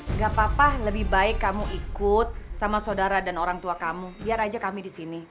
nggak apa apa lebih baik kamu ikut sama saudara dan orang tua kamu biar aja kami di sini